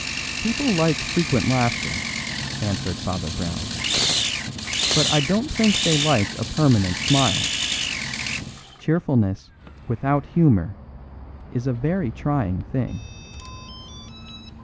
"People like frequent laughter," answered Father Brown, "but I don't think they like a permanent smile. Cheerfulness without humour is a very trying thing."